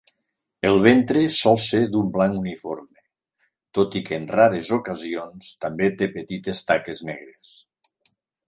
El ventre sol ser d'un blanc uniforme, tot i que en rares ocasions també té petites taques negres.